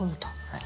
はい。